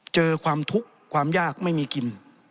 ความทุกข์ความยากไม่มีกิน